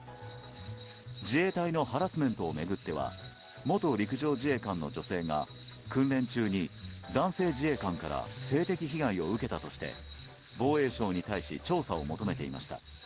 自衛隊のハラスメントを巡っては元陸上自衛官の女性が訓練中に男性自衛官から性的被害を受けたとして防衛省に対し調査を求めていました。